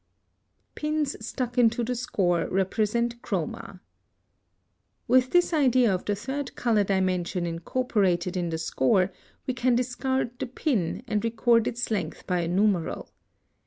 +Pins stuck into the score represent chroma.+ (139) With this idea of the third color dimension incorporated in the score we can discard the pin, and record its length by a numeral.